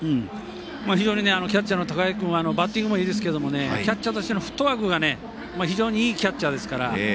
非常にキャッチャーの高木君はバッティングもいいですがキャッチャーとしてのフットワークが非常にいいキャッチャーですから。